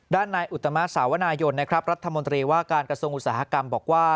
ด้านนายอุตมะสาวนายนนะครับรัฐมนตรีว่าการกระทรวงอุตสาหกรรมบอกว่า